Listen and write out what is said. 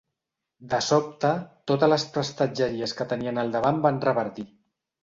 De sobte, totes les prestatgeries que tenien al davant van reverdir.